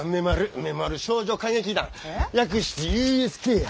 梅丸少女歌劇団略してＵＳＫや。